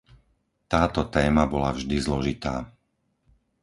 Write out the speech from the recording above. Táto téma bola vždy zložitá.